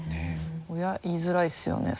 親言いづらいっすよね